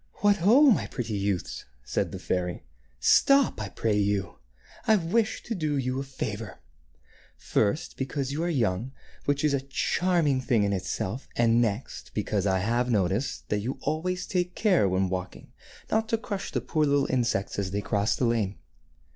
"What, ho! my pretty youths," said the fairy: "stop, I pray you. I wish to do you a favor. First, because you are young, which is a charming thing in itself, and next because I have noticed that you always take care when walking not to crush the poor little insects as they cross the lane.